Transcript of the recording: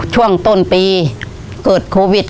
ช่วงต้นปีเกิดโควิด